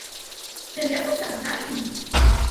The levels are timed.